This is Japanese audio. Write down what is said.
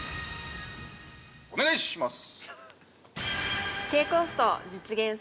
◆お願いします。